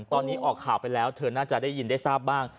ตอนนี้ออกข่าวไปแล้วเธอน่าจะได้ยินได้ทราบบ้าง